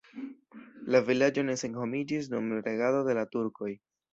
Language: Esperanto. La vilaĝo ne senhomiĝis dum regado de la turkoj.